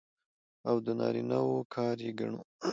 او د نارينه وو کار يې ګڼو.